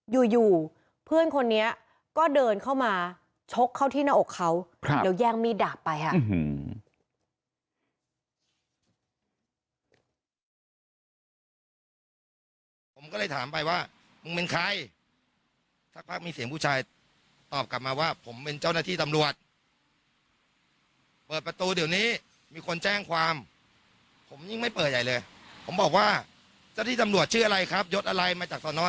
อยู่เพื่อนคนนี้ก็เดินเข้ามาชกเข้าที่หน้าอกเขาแล้วแย่งมีดดาบไปค่ะ